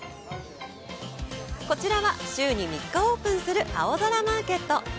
こちらは週に３日オープンする青空マーケット。